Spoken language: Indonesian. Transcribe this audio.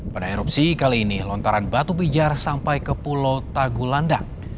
pada erupsi kali ini lontaran batu pijar sampai ke pulau tagulandang